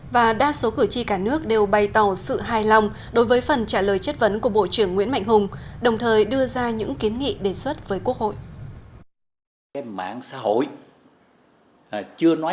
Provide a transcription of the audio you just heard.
và đa số cử tri cả nước đều bày tỏ sự hài lòng đối với phần trả lời chất vấn của bộ trưởng nguyễn mạnh hùng đồng thời đưa ra những kiến nghị đề xuất với quốc hội